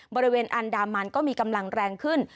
บริเวณอันดามันก็มีกำลังแรงขึ้น